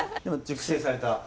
でも熟成された。